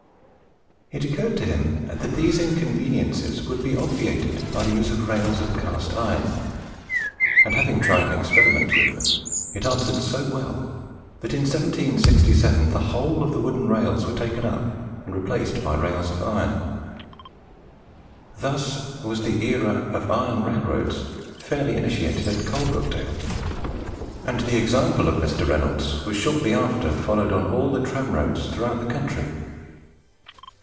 It occurred to him that these inconveniences would be obviated by the use of rails of cast iron; and, having tried an experiment with them, it answered so well, that in 1767 the whole of the wooden rails were taken up and replaced by rails of iron. Thus was the era of iron railroads fairly initiated at Coalbrookdale, and the example of Mr. Reynolds was shortly after followed on all the tramroads throughout the Country.